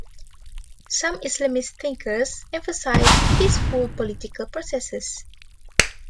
Some Islamist thinkers emphasize peaceful political processes.